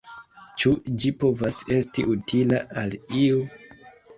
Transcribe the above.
Ĉu ĝi povas esti utila al iu?